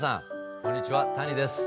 こんにちは谷です。